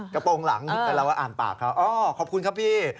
กระโปรงหลังแต่เราก็อ่านปากเขาอ๋อขอบคุณครับพี่